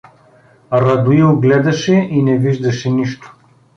Радоил гледаше и не виждаше нищо.